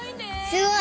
すごい。